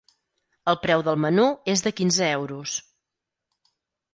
El preu del menú és de quinze euros.